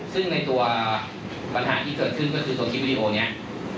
ซึ่งในตัวปัญหาที่เกิดขึ้นก็คือตัวคลิปวิดีโอนี้